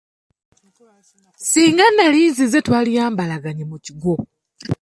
Singa nali nzize twandiyambalaganye mu kigwo.